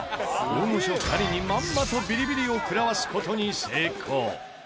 大御所２人にまんまとビリビリを食らわす事に成功。